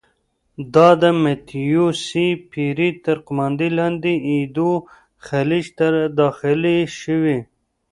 دا د متیو سي پیري تر قوماندې لاندې ایدو خلیج ته داخلې شوې.